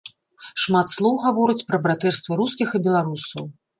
Шмат слоў гавораць пра братэрства рускіх і беларусаў.